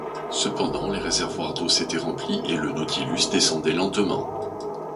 Cependant, les réservoirs d’eau s’étaient remplis, et le Nautilus descendait lentement.